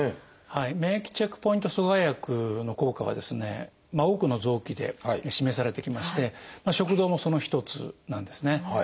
免疫チェックポイント阻害薬の効果は多くの臓器で示されてきまして食道もその一つなんですね。